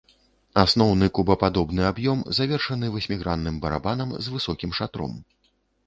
Асноўны кубападобны аб'ём завершаны васьмігранным барабанам з высокім шатром.